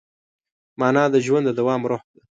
مانا د ژوند د دوام روح ده.